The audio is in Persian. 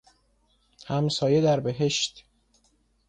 همسایه در بﮩشت